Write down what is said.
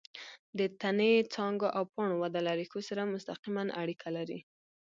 د تنې، څانګو او پاڼو وده له ریښو سره مستقیمه اړیکه لري.